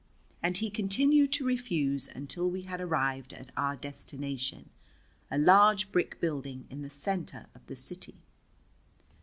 And he continued to refuse until we had arrived at our destination, a large brick building in the center of the city.